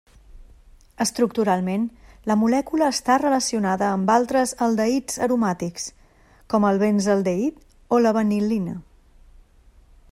Estructuralment, la molècula està relacionada amb altres aldehids aromàtics, com el benzaldehid o la vanil·lina.